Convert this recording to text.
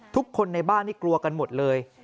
ทุกคนในบ้านนี่กลัวกันหมดเลย